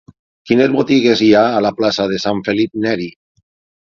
Quines botigues hi ha a la plaça de Sant Felip Neri?